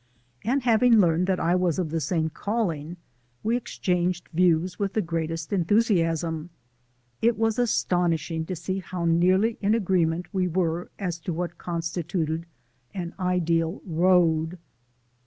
And having learned that I was of the same calling, we exchanged views with the greatest enthusiasm. It was astonishing to see how nearly in agreement we were as to what constituted an ideal road.